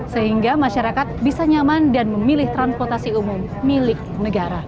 sehingga masyarakat bisa nyaman dan memilih transportasi umum milik negara